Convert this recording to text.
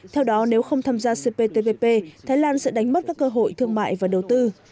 theo đó nếu không tham gia cptpp thái lan sẽ đánh mất các cơ hội thương mại và đầu tư